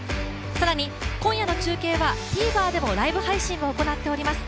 更に今夜の中継はＴＶｅｒでもライブ配信を行っております。